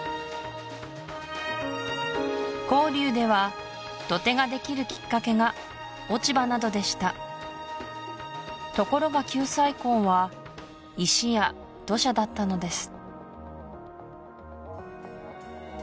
黄龍では土手ができるきっかけが落ち葉などでしたところが九寨溝は石や土砂だったのです